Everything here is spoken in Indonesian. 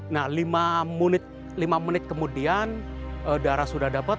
nah lima menit kemudian darah sudah dapat